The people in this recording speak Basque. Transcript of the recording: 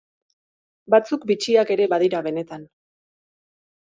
Batzuk bitxiak ere badira benetan.